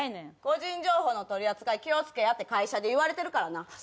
個人情報の取り扱い気を付けやって会社で言われてるからな。